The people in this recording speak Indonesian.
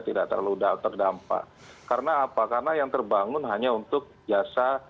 tidak terlalu terdampak karena apa karena yang terbangun hanya untuk jasa